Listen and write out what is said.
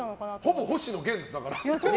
ほぼ星野源です、だから。